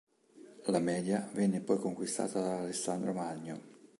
La Media venne poi conquistata da Alessandro Magno.